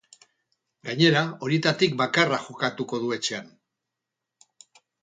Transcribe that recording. Gainera, horietatik bakarra jokatuko du etxean.